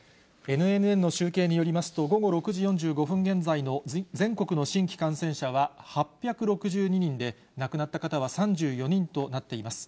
ＮＮＮの集計によりますと、午後６時４５分現在の全国の新規感染者は８６２人で、亡くなった方は３４人となっています。